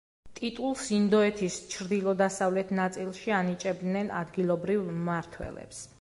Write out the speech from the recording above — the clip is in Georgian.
ტიტულს ინდოეთის ჩრდილო–დასავლეთ ნაწილში ანიჭებდნენ ადგილობრივ მმართველებს.